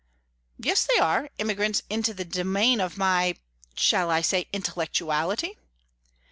"Yes they are; immigrants into the domain of my shall I say intellectuality?"